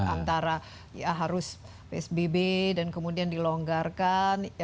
antara ya harus psbb dan kemudian dilonggarkan